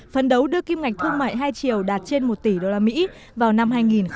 phấn đấu đưa kim ngạch thương mại hai triệu đạt trên một tỷ usd vào năm hai nghìn hai mươi